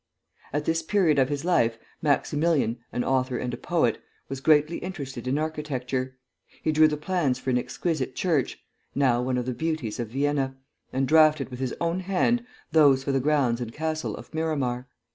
At this period of his life, Maximilian (an author and a poet) was greatly interested in architecture. He drew the plans for an exquisite church (now one of the beauties of Vienna), and draughted with his own hand those for the grounds and castle of Miramar.